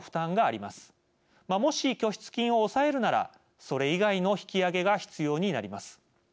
もし拠出金を抑えるならそれ以外の引き上げが必要になります。